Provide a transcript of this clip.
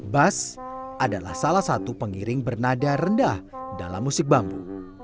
bas adalah salah satu pengiring bernada rendah dalam musik bambu